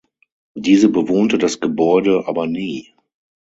Diese bewohnte das Gebäude aber nie.